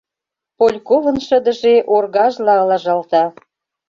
Польковын шыдыже оргажла ылыжалта.